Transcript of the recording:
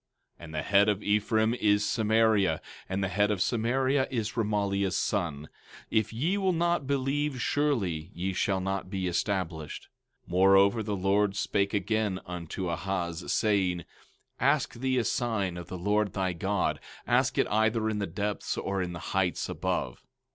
17:9 And the head of Ephraim is Samaria, and the head of Samaria is Remaliah's son. If ye will not believe surely ye shall not be established. 17:10 Moreover, the Lord spake again unto Ahaz, saying: 17:11 Ask thee a sign of the Lord thy God; ask it either in the depths, or in the heights above.